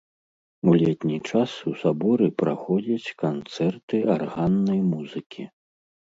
У летні час у саборы праходзяць канцэрты арганнай музыкі.